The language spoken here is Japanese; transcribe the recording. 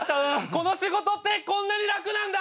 この仕事ってこんなに楽なんだ！